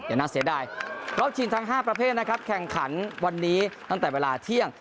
แล้วจีนทั้ง๕ประเภทนะครับแข่งขันวันนี้ตั้งแต่เวลาเที่ยง